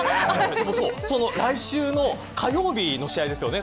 来週の火曜日の試合ですよね。